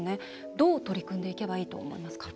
どう取り組んでいけばいいと思いますか？